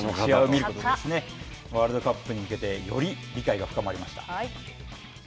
あの方と一緒に試合を見ることで、ワールドカップに向けてより理解が深まりました。